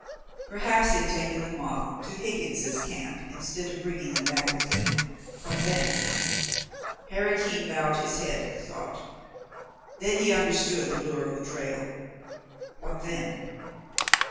Perhaps he had taken them off to Higgins' Camp instead of bringing them back with him what then? Harry King bowed his head at the thought. Then he understood the lure of the trail. What then?